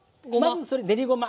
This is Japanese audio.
まずそれ練りごま。